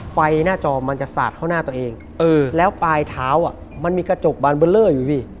ไฟหน้าจอมันจะสาดเข้าหน้าตัวเองแล้วปลายเท้าอ่ะมันมีกระจกบานเบอร์เลอร์อยู่พี่